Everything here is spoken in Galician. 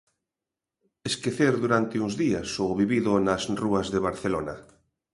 Esquecer durante uns días o vivido nas rúas de Barcelona.